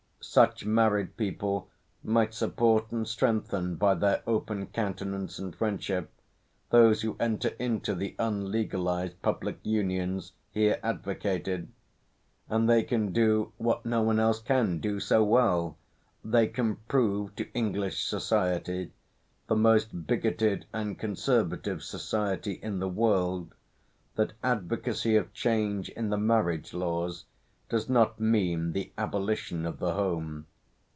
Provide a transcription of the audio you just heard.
Such married people might support and strengthen by their open countenance and friendship those who enter into the unlegalised public unions here advocated; and they can do what no one else can do so well: they can prove to English society the most bigoted and conservative society in the world that advocacy of change in the marriage laws does not mean the abolition of the home.